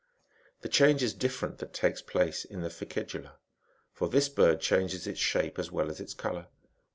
The change is different that takes place in the ficedula,^ for this bird changes its shape as well as its colour.